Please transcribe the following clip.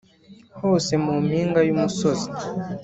hose mu mpinga y umusozi